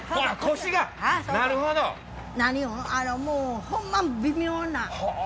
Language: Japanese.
もうほんま微妙な。